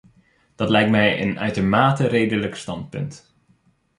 Dat lijkt mij een uitermate redelijk standpunt.